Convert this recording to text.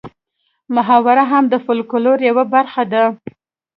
محاوره هم د فولکلور یوه برخه ده